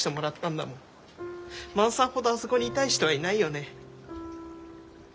万さんほどあそこにいたい人はいないよね。